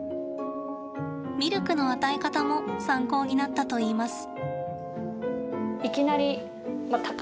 ミルクの与え方も参考になったといいます。